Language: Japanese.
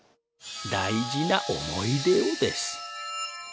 だいじなおもいでをです。ありました。